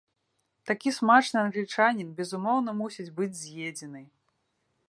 Такі смачны англічанін, безумоўна, мусіць быць з'едзены.